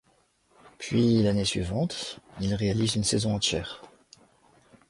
Puis l'année suivante, il réalise une saison entière.